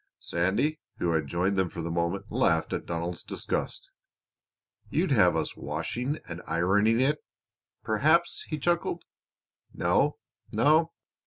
Sandy, who had joined them for the moment, laughed at Donald's disgust. "You'd have us washing and ironing it, perhaps," he chuckled. "No, no!